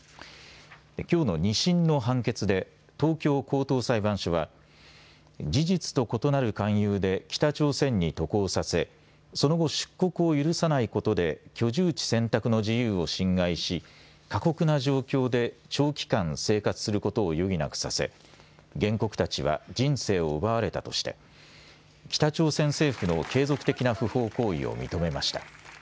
きょうの２審の判決で東京高等裁判所は事実と異なる勧誘で北朝鮮に渡航させ、その後、出国を許さないことで居住地選択の自由を侵害し過酷な状況で長期間生活することを余儀なくさせ原告たちは人生を奪われたとして北朝鮮政府の継続的な不法行為を認めました。